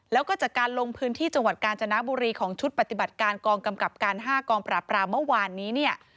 แล้วก็จากการลงพื้นที่จังหวัดกาญจนบุรีของชุดปฏิบัติการกองกำกับการ๕กองปราบรามเมื่อวานนี้เนี่ย